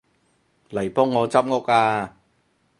嚟幫我執屋吖